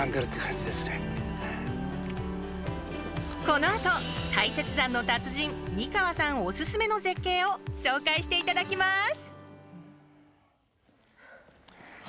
このあと大雪山の達人・三川さんオススメの絶景を紹介していただきます！